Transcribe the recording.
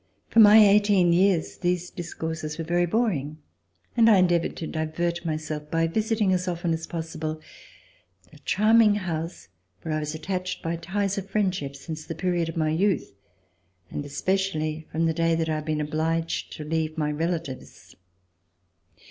For my eighteen years these discourses were very boring, and I endeavored to divert myself by visiting as often as possible a charming house where I was attached by ties of friendship since the period of my youth, and especially from the day that I had been obliged to leave my relatives.